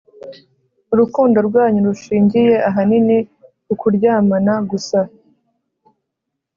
urukundo rwanyu rushingiye ahanini ku kuryamana gusa.